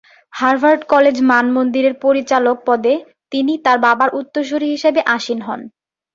Harvard college মানমন্দিরের পরিচালক পদে তিনি তাঁর বাবার উত্তরসূরি হিসেবে আসীন হন।